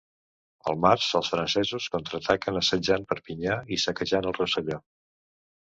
Al març els francesos contraataquen assetjant Perpinyà i saquejant el Rosselló.